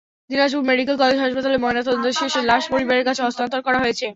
Dinajpur medical college হাসপাতালে ময়নাতদন্ত শেষে লাশ পরিবারের কাছে হস্তান্তর করা হয়েছে।